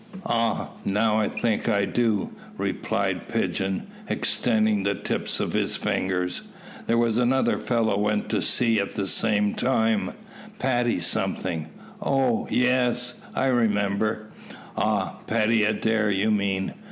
"Ah! now I think I do," replied Pigeon, extending the tips of his fingers. "There was another fellow went to sea at the same time. Paddy something Oh! ye es, I remember." "Ah! Paddy Adair, you mean.